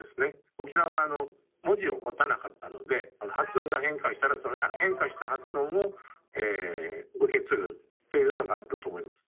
沖縄は文字を持たなかったので発音が変化したらその変化した発音を受け継ぐっていうのがあったと思います。